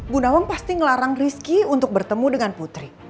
bu nawang pasti ngelarang rizky untuk bertemu dengan putri